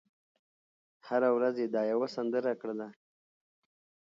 هره ورځ یې دا یوه سندره کړله